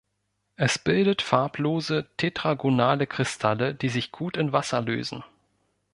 Es bildet farblose tetragonale Kristalle, die sich gut in Wasser lösen.